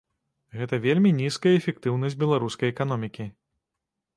Гэта вельмі нізкая эфектыўнасць беларускай эканомікі.